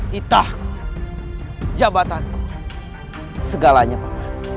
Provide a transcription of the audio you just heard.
titahku jabatanku segalanya pemanah